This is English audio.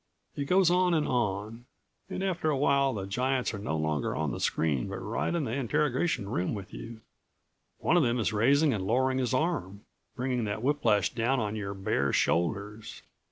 It goes on and on, and after a while the giants are no longer on the screen, but right in the interrogation room with you. One of them is raising and lowering his arm, bringing the whiplash down on your bare shoulders....